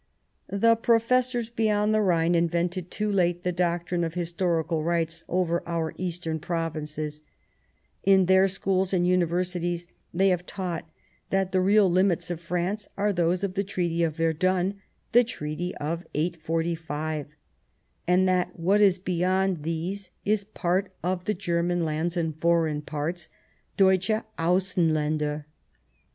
The Professors beyond the Rhine invented too late the doctrine of historical rights over our eastern provinces ; in their schools and universities they have taught that the real limits of France are those of the Treaty of Verdun, the Treaty of 845, and that what is beyond these is part of the " German lands in foreign parts " [Deutsche Aussenldnder).